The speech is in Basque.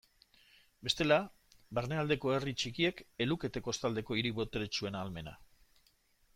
Bestela, barnealdeko herri txikiek ez lukete kostaldeko hiri boteretsuen ahalmena.